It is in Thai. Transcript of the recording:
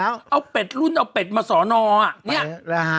เอาเป็ดรุ่นเอาเลยไปสอนรอป่ะ